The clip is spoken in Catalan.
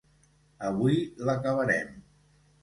Avui l'acabarem.